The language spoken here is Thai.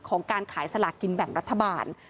การขายสลากินแบ่งรัฐบาล